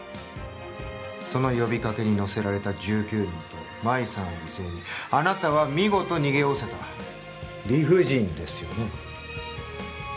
その呼びかけに乗せられた１９人とマイさんを犠牲にあなたは見事逃げおおせた理不尽ですよね？